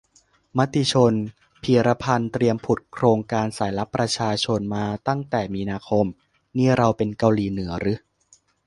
มติชน :"พีระพันธุ์เตรียมผุดโครงการสายลับประชาชนมาตั้งแต่มีนาคม" นี่เราเป็นเกาหลีเหนือรึ ?